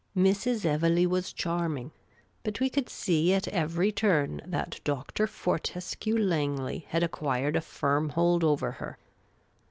Mrs. Evelegh was charming ; but we could see at every turn that Dr. Fortescue Langley had acquired a firm hold over her.